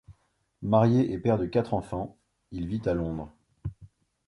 Marié et père de quatre enfants, il vit à Londres.